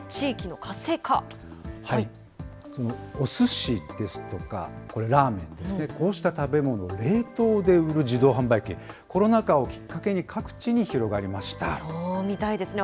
おすしですとか、これ、ラーメンですね、こうした食べ物を冷凍で売る自動販売機、コロナ禍をそうみたいですね。